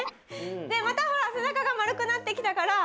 でまたほらせなかがまるくなってきたから。